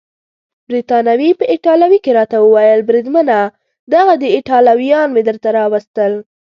بریتانوي په ایټالوي کې راته وویل: بریدمنه دغه دي ایټالویان مې درته راوستل.